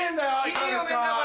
いいおめんだよ